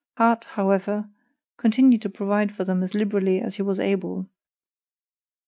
Harte, however, continued to provide for them as liberally as he was able.